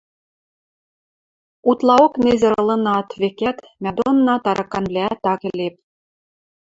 Утлаок незер ылынаат, векӓт, мӓ донына тараканвлӓӓт ак ӹлеп.